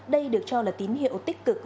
đây được cho là tín hiệu tích cực